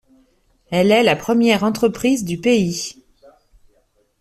Elle est la première entreprise du pays.